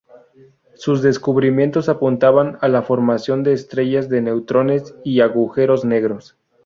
Sus descubrimientos apuntaban a la formación de estrellas de neutrones y agujeros negros.